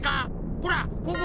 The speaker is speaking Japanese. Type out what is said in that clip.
ほらここ。